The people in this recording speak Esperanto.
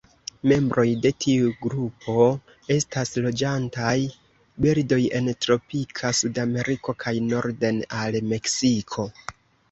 Membroj de tiu grupo estas loĝantaj birdoj en tropika Sudameriko kaj norden al Meksiko.